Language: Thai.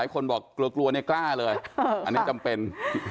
คนบอกกลัวเนี่ยกล้าเลยอันนี้จำเป็น